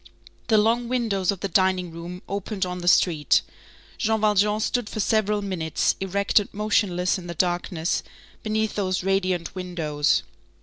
The long windows of the dining room opened on the street. Jean Valjean stood for several minutes, erect and motionless in the darkness, beneath those radiant windows.